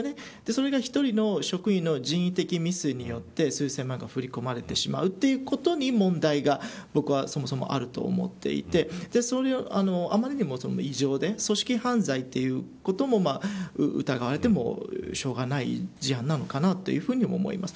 それが一人の職員の人為的ミスによって数千万が振り込まれてしまうということに問題が僕はそもそもあると思っていてあまりにもそれが異常で組織犯罪ということも疑われてもしょうがない事案なのかなというふうにも思います。